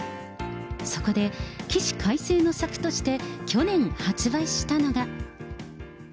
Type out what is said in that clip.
そこで起死回生の策として、去年発売したのが。